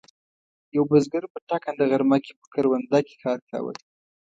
یوه بزګر په ټکنده غرمه کې په کرونده کې کار کاوه.